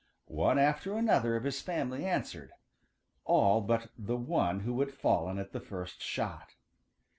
One after another of his family answered, all but the one who had fallen at the first shot.